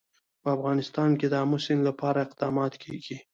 په افغانستان کې د آمو سیند لپاره اقدامات کېږي.